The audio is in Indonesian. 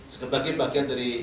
sebagai bagian dari